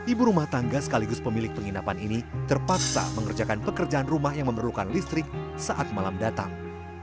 ibu rumah tangga sekaligus pemilik penginapan ini terpaksa mengerjakan pekerjaan rumah yang memerlukan listrik saat malam datang